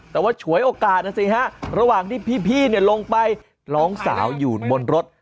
แต่ว่าฉวยโอกาสนะสิฮะระหว่างที่พี่ลงไปน้องสาวอยู่บนรถ